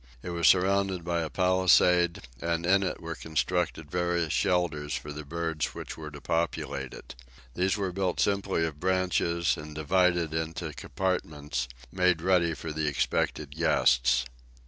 It was surrounded by a palisade, and in it were constructed various shelters for the birds which were to populate it. These were simply built of branches and divided into compartments, made ready for the expected guests.